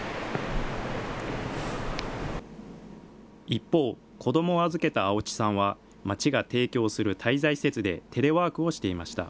一方、子どもを預けた青地さんは、町が提供する滞在施設でテレワークをしていました。